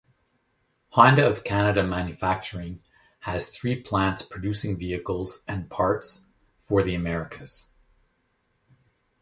Honda of Canada Manufacturing has three plants producing vehicles and parts for the Americas.